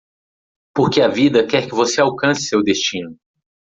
Porque a vida quer que você alcance seu destino.